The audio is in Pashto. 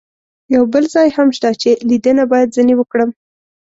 یو بل ځای هم شته چې لیدنه باید ځنې وکړم.